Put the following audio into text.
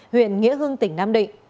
huyện nghĩa hương tỉnh nam định